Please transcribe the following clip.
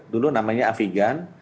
dulu namanya avigan